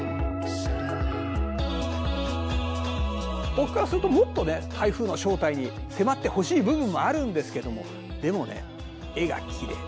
僕からするともっとね台風の正体に迫ってほしい部分もあるんですけどもでもね絵がきれい。